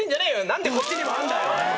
何でこっちにもあんだよ。